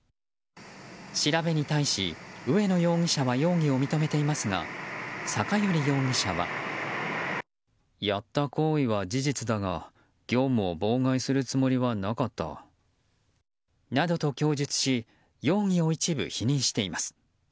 調べに対し、上野容疑者は容疑を認めていますが酒寄容疑者は。などと供述し容疑を一部否認しています。